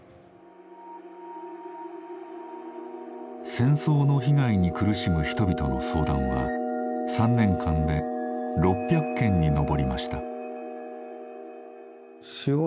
戦争の被害に苦しむ人々の相談は３年間で６００件に上りました。